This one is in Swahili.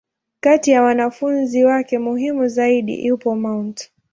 Kati ya wanafunzi wake muhimu zaidi, yupo Mt.